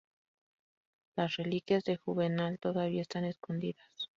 Las reliquias de Juvenal todavía están escondidas.